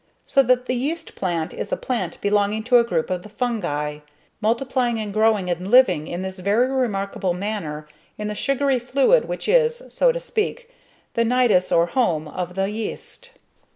So that the yeast plant is a plant belonging to a group of the Fungi, multiplying and growing and living in this very remarkable manner in the sugary fluid which is, so to speak, the nidus or home of the yeast.